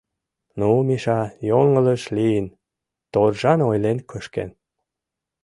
Ну, Миша йоҥылыш лийын, торжан ойлен кышкен.